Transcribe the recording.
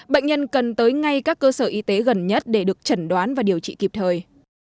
bệnh nhân cần tới ngay các cơ sở y tế gần nhất để được chẩn đoán và điều trị kịp thời